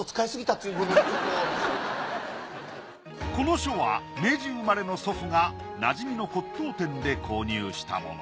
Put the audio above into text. この書は明治生まれの祖父がなじみの骨董店で購入したもの。